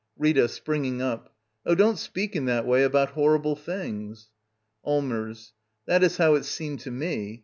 Rita. [Springing up.] Oh, don't speak in that way about horrible things! Allmers. That is how it seemed to me.